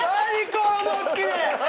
このドッキリ。